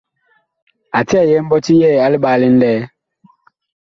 A cɛyɛɛ mbɔti yɛɛ a liɓaalí ŋlɛɛ.